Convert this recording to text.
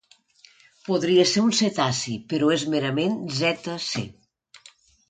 Podria ser un cetaci, però és merament zeta ce.